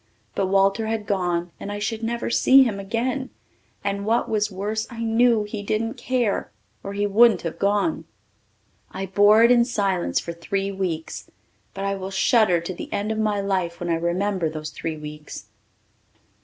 But Walter had gone and I should never see him again, and what was worse I knew he didn't care or he wouldn't have gone. I bore it in silence for three weeks, but I will shudder to the end of my life when I remember those three weeks.